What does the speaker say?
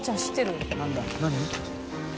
何？